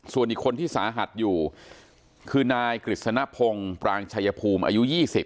ส่วนอีกคนที่สาหัสอยู่คือนายกฤษณพงศ์ปรางชายภูมิอายุ๒๐